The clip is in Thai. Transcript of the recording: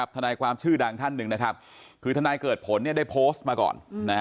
ทนายความชื่อดังท่านหนึ่งนะครับคือทนายเกิดผลได้โพสต์มาก่อน